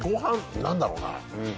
何だろうな。